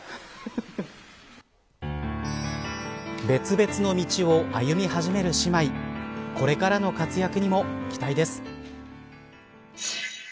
別々の道を歩み始める姉妹これからの活躍にも期待です。